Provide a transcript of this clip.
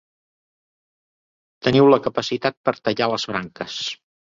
Teniu la capacitat per tallar les branques.